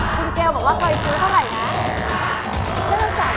คุณเกลบอกว่าเคยซื้อเท่าไหร่นะ